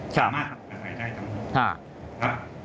สามารถทำประกันภัยได้ทั้งหมด